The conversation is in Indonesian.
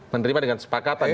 menerima dengan sepakatan ya